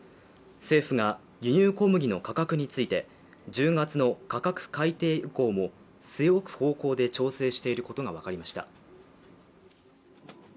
政府が輸入小麦の価格について１０月の価格改定以降も据え置く方向で調整していることが分かりました。